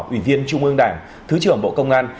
ủy viên trung ương đảng thứ trưởng bộ công an